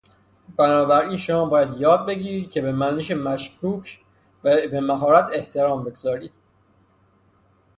بنابراین شما باید یاد بگیرید که به منش مشکوک و به مهارت احترام بگذارید.